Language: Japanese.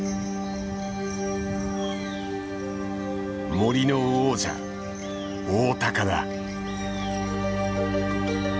森の王者オオタカだ。